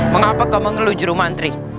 mengapa kau mengeluh juru mantri